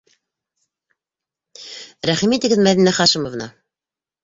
Рәхим итегеҙ, Мәҙинә Хашимовна!